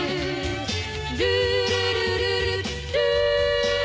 「ルールルルルルー」